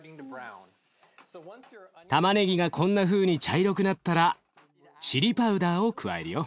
たまねぎがこんなふうに茶色くなったらチリパウダーを加えるよ。